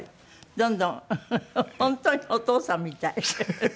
どんどん本当にお父さんみたい。